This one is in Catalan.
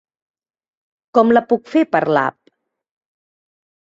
Com la puc fer per l'app?